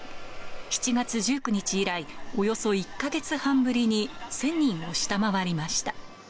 ７月１９日以来、およそ１か月半ぶりに１０００人を下回りました。